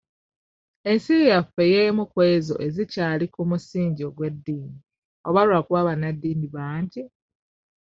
Ensi yaffe y'emu kw'ezo ezikyali ku musingi ogw'eddiini oba lwakuba bannaddiini bangi?